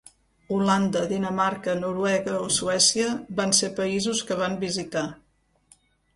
Holanda, Dinamarca, Noruega o Suècia van ser països que van visitar.